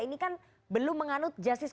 ini kan belum menganut justice